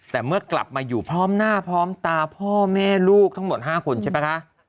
แต่เมื่อกลับมาอยู่พร้อมหน้าพร้อมตาพ่อแม่ลูกทั้งหมด๕คนใช่ไหมคะ